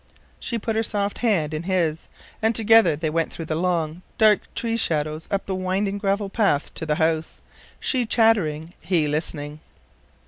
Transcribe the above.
She put her soft hand in his, and together they went through the long, dark tree shadows up the winding gravel path to the house, she chattering, he listening.